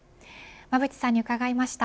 馬渕さんに伺いました。